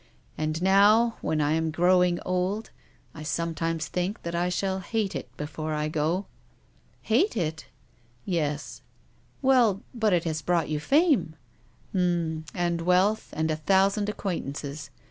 And now, when I am growing old, I sometimes think that I shall hate it before I go." " Hate it !"" Yes." " Well — but it has brought you fame." " H'm. And wealth and a thousand acquaint ances.